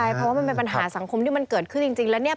เพราะว่ามันเป็นปัญหาสังคมที่มันเกิดขึ้นจริงแล้วเนี่ย